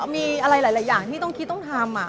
มีอะไรหลายอย่างที่ต้องคิดต้องทำ